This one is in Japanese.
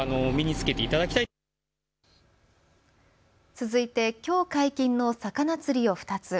続いてきょう解禁の魚釣りを２つ。